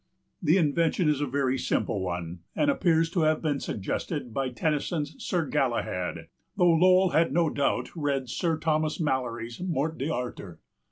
The invention is a very simple one, and appears to have been suggested by Tennyson's Sir Galahad, though Lowell had no doubt read Sir Thomas Malory's Morte d'Arthur.